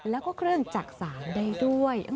แล้วก็เครื่องจักษานได้ด้วย